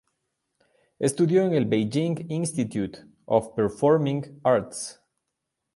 Estudió en el "Beijing Institute of Performing Arts".